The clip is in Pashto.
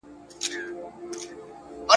د شتمنیو د ساتني لپاره به